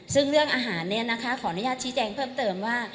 ซึ่งเรื่องอาหารขออนุญาตชี้แจงเพิ่มเติมว่า